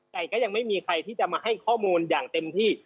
แต่ก็ยังไม่มีใครที่จะมาให้ข้อมูลอย่างเต็มที่